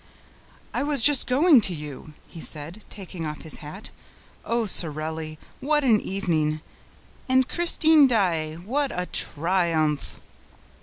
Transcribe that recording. "I was just going to you," he said, taking off his hat. "Oh, Sorelli, what an evening! And Christine Daae: what a triumph!"